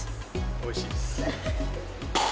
おいしいです。